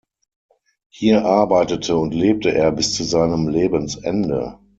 Hier arbeitete und lebte er bis zu seinem Lebensende.